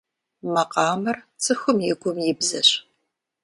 Макъамэр цӏыхум и гум и бзэщ.